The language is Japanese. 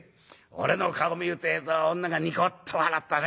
「俺の顔見るてえと女がニコッと笑ったね。